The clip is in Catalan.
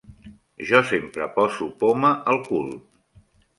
Jo sempre poso poma al cul.